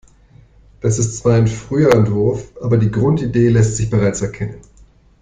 Das ist zwar ein früher Entwurf, aber die Grundidee lässt sich bereits erkennen.